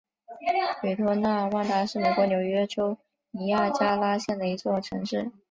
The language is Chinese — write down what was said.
北托纳万达是美国纽约州尼亚加拉县的一座城市。